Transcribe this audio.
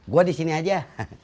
gua di sini aja